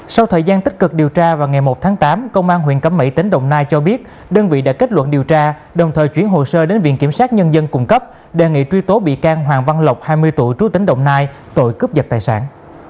sau thời gian tích cực điều tra vào ngày một tháng tám công an huyện cẩm mỹ tỉnh đồng nai cho biết đơn vị đã kết luận điều tra đồng thời chuyển hồ sơ đến viện kiểm sát nhân dân cung cấp đề nghị truy tố bị can hoàng văn lộc hai mươi tuổi trú tỉnh đồng nai tội cướp giật tài sản